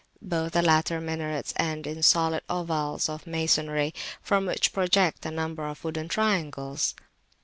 Both the latter minarets end in solid ovals of masonry, from which project a number of wooden triangles.